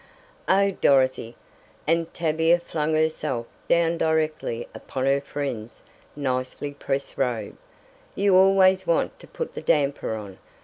"Oh, Dorothy!" and Tavia flung herself down directly upon her friend's nicely pressed robe. "You always want to put the damper on.